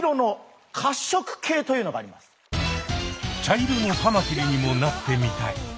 「茶色のカマキリにもなってみたい」。